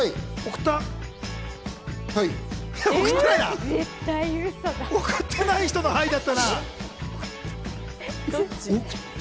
送っていない人の「はい」だったな。